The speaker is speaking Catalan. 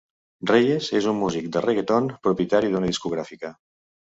Reyes és un músic de reggaeton propietari d'una discogràfica.